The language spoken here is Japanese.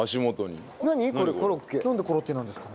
なんでコロッケなんですかね？